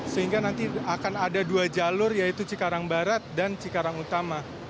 sehingga nanti akan ada dua jalur yaitu cikarang barat dan cikarang utama